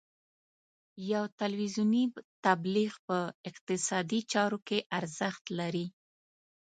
یو تلویزیوني تبلیغ په اقتصادي چارو کې ارزښت لري.